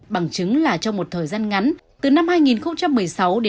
bằng chứng là trong một thời gian loài sâu keo này đã được phát hiện